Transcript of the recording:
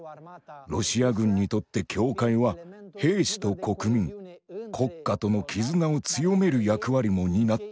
ロシア軍にとって教会は兵士と国民国家との絆を強める役割も担っていました。